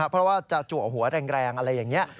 เพราะว่าจะจัวหัวแรงอะไรอย่างนี้